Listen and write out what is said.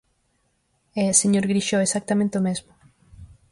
E, señor Grixó, exactamente o mesmo.